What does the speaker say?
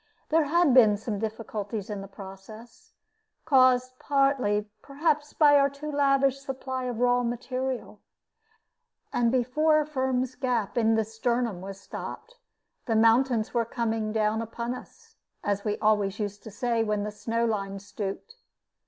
There had been some difficulties in this process, caused partly, perhaps, by our too lavish supply of the raw material; and before Firm's gap in his "sternum" was stopped, the mountains were coming down upon us, as we always used to say when the snow line stooped.